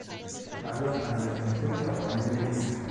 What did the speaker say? Alle anderen Unterräume mixen.